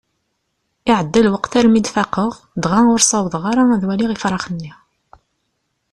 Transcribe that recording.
Iɛedda lweqt armi d-faqeɣ, dɣa ur sawḍeɣ ara ad waliɣ ifṛax-nni.